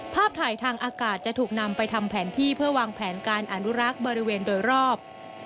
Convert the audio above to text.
ภาพถ่ายทางอากาศจะถูกนำไปทำแผนที่เพื่อวางแผนการอนุรักษ์บริเวณโดยรอบ